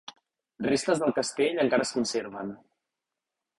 Restes del castell encara es conserven.